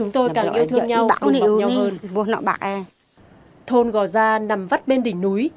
thôn gò gia nằm vắt bên đỉnh núi